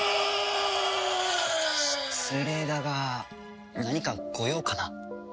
失礼だが何かご用かな？